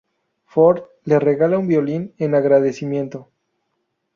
Ford le regala un violín en agradecimiento.